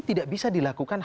tidak ada ikan